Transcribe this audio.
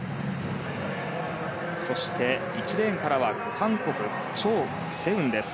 そして、１レーンからは韓国のチョン・セウンです。